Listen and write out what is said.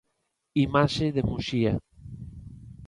Imaxe de Muxía.